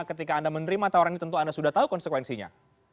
ketika anda menerima tawaran ini tentu anda sudah tahu konsekuensinya